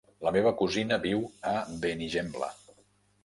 La meva cosina viu a Benigembla.